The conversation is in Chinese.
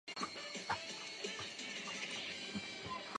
买这本书